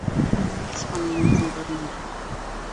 Նրանք սպանում են զինվորներին։